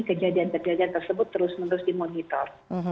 kejadian kejadian tersebut terus menerus dimonitor